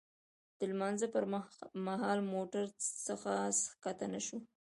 د لمانځه پر مهال موټر څخه ښکته نه شوو.